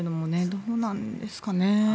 どうなんですかね。